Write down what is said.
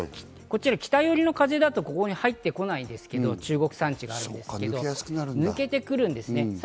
北寄りの風だと、ここに入ってこないですけど中国山地があるので、抜けてくるんです。